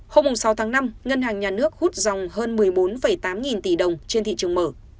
hôm sáu tháng năm ngân hàng nhà nước hút dòng hơn một mươi bốn tám nghìn tỷ đồng trên thị trường mở